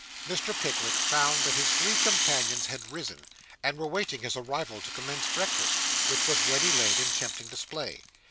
Mr. Pickwick found that his three companions had risen, and were waiting his arrival to commence breakfast, which was ready laid in tempting display.